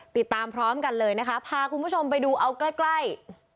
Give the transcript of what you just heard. ติดตามพร้อมกันเลยนะคะพาคุณผู้ชมไปดูเอาใกล้ใกล้